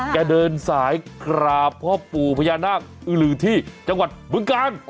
แกเดินสายกราบพ่อปู่พญานาคอึลึงที่จังหวัดเบื้องการ